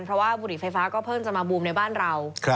เพราะว่าบุหรี่ไฟฟ้าก็เพิ่งจะมาบูมในบ้านเรา